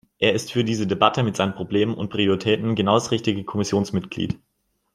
Er ist für diese Debatte mit seinen Problemen und Prioritäten genau das richtige Kommissionsmitglied.